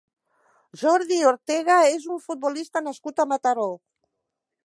Jordi Ortega és un futbolista nascut a Mataró.